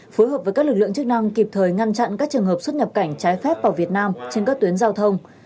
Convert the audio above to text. phối hợp với các lực lượng chức năng kịp thời ngăn chặn các trường hợp xuất nhập cảnh trái phép vào việt nam trên các tuyến giao thông